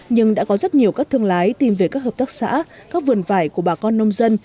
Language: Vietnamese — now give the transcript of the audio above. nhưng đã có rất nhiều các thương lái tìm về các hợp tác xã các vườn vải của bà con nông dân